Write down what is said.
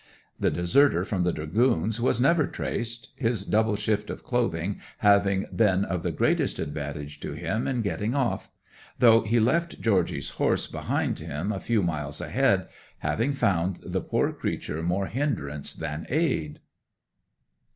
The deserter from the Dragoons was never traced: his double shift of clothing having been of the greatest advantage to him in getting off; though he left Georgy's horse behind him a few miles ahead, having found the poor creature more hindrance than aid.